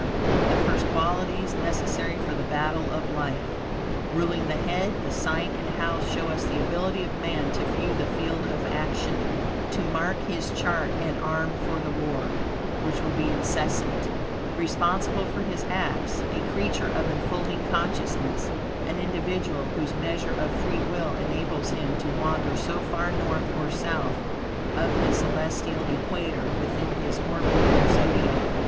the first qualities necessary for the battle of life. Ruling the head, the sign and house show us the ability of man to view the field of action, to mark his chart, and arm for the war (which will be incessant); responsible for his acts, a creature of unfolding consciousness, an individual, whose measure of free will enables him to wander so far North or South of his celestial equator, within his orbit, or Zodiac.